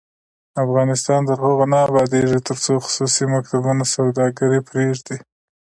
افغانستان تر هغو نه ابادیږي، ترڅو خصوصي مکتبونه سوداګري پریږدي.